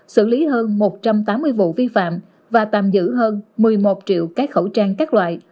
xử lý hơn một trăm tám mươi vụ vi phạm và tạm giữ hơn một mươi một triệu các khẩu trang các loại